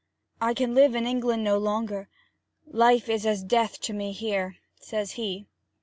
I can live in England no longer. Life is as death to me here,' says he.